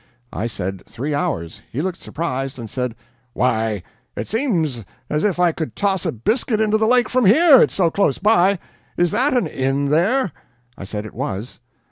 I said three hours. He looked surprised, and said: "Why, it seems as if I could toss a biscuit into the lake from here, it's so close by. Is that an inn, there?" I said it was.